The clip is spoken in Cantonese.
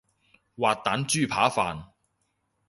滑蛋豬扒飯